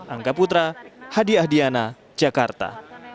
angga putra hadi ahdiana jakarta